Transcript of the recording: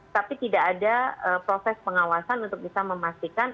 tapi tidak ada proses pengawasan untuk bisa memastikan